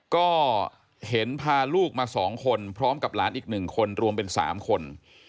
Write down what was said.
ก็เห็นพาลูกมา๒คนพร้อมกับหลานอีก๑คนรวมเป็น๓คน